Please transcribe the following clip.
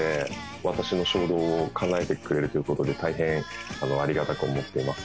私の衝動をかなえてくれるという事で大変ありがたく思っています。